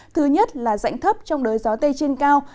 thứ nhất là dạnh thấp trong đới gió tây trên cao